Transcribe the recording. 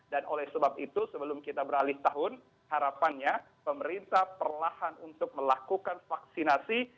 dan oleh sebab itu sebelum kita beralih tahun harapannya pemerintah perlahan untuk melakukan vaksinasi